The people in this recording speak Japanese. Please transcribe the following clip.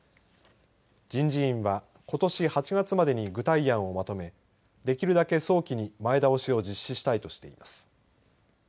人事院は、ことし８月までに具体案をまとめできるだけ早期に前倒しを実施したいとしています。